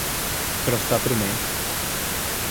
Però està promès.